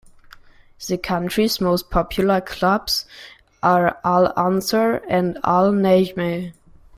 The country's most popular clubs are Al-Ansar and Al-Nejmeh.